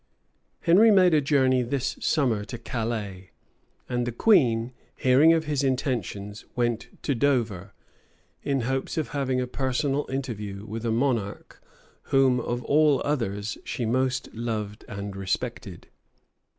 471 Henry made a journey this summer to Calais; and the queen, hearing of his intentions, went to Dover, in hopes of having a personal interview with a monarch, whom, of all others, she most loved and most respected.